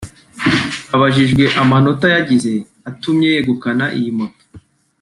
Abajijwe amanota yagize atumye yegukana iyi moto